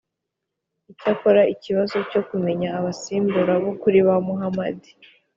icyakora ikibazo cyo kumenya abasimbura b’ukuri ba muhamadi